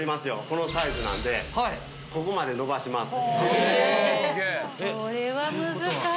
このサイズなんでここまでのばします。